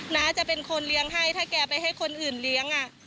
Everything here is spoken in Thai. น้าจะเป็นคนเลี้ยงให้ถ้าแกไปให้คนอื่นเลี้ยง